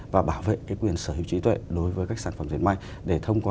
và bảo vệ cái quyền sở hữu trí tuệ